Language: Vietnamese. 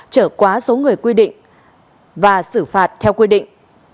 trở quá số người quy định và xử phạt theo quy định